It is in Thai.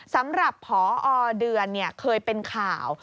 สำหรับพอเดือนเคยเป็นข่าว